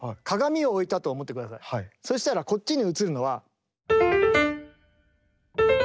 そしたらこっちに映るのは。